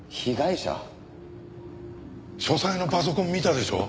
書斎のパソコン見たでしょう？